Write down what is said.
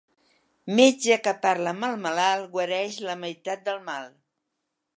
Metge que parla amb el malalt guareix la meitat del mal.